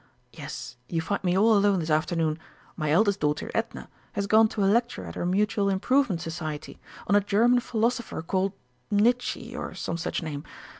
Yes, you find me all alone this afternoon. My eldest daughter, Edna, has gone to a lecture at her Mutual Improvement Society, on a German Philosopher called Nitchy, or some such name.